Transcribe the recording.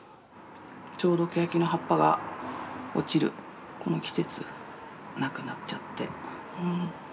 ちょうどケヤキの葉っぱが落ちるこの季節亡くなっちゃって。